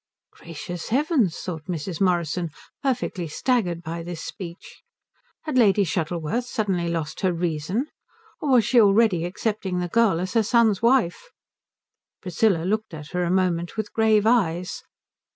"Gracious heavens," thought Mrs. Morrison, perfectly staggered by this speech. Had Lady Shuttleworth suddenly lost her reason? Or was she already accepting the girl as her son's wife? Priscilla looked at her a moment with grave eyes.